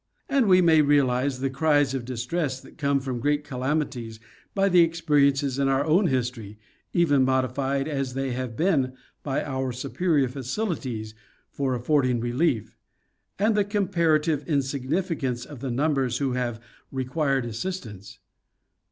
And we may realize the cries of distress that come from great calamities by the experiences in our own history, even modified as they have been by our superior facilities for affording relief, and the com parative insignificance of the numbers who have required assist ance.